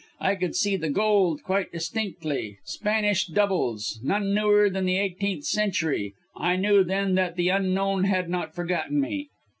I could see the gold quite distinctly Spanish doubles, none newer than the eighteenth century. I knew then that the Unknown had not forgotten me.